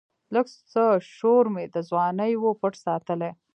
لږڅه شورمي د ځواني وًپټ ساتلی